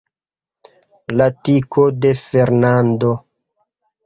La tiko de Fernando!